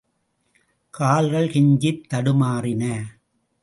கால்கள் கெஞ்சித் தடுமாறின.